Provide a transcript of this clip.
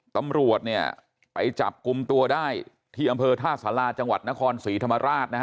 ตำรวจเนี่ยไปจับกลุ่มตัวได้ที่อำเภอท่าสาราจังหวัดนครศรีธรรมราชนะฮะ